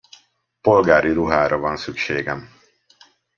Polgári ruhára van szükségem.